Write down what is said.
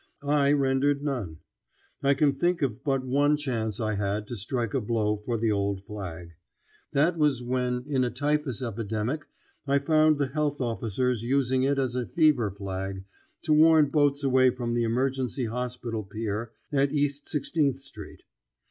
I rendered none. I can think of but one chance I had to strike a blow for the old flag. That was when in a typhus epidemic I found the health officers using it as a fever flag to warn boats away from the emergency hospital pier at East Sixteenth Street.